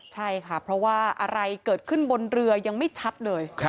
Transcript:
ใช่ค่ะเพราะว่าอะไรเกิดขึ้นบนเรือยังไม่ชัดเลย